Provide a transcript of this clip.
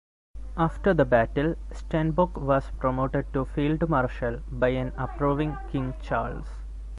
After the battle Stenbock was promoted to Field Marshal by an approving King Charles.